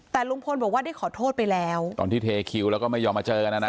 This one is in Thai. แต่ลุงพลบอกว่าได้ขอโทษไปแล้วตอนที่เทคิวแล้วก็ไม่ยอมมาเจอกันนะนะ